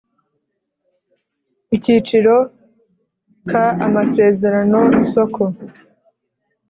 Akiciro ka Amasezerano y isoko